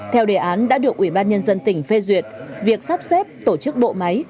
theo đề án đã được ủy ban nhân dân tỉnh phê duyệt việc sắp xếp tổ chức bộ máy